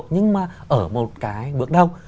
nhưng mà ở một cái bước đông